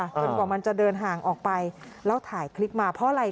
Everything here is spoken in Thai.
กว่ามันจะเดินห่างออกไปแล้วถ่ายคลิปมาเพราะอะไร